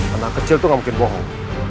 anak kecil tuh gak mungkin bohong